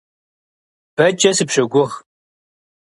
Бэкӏэ сыпщогугъ.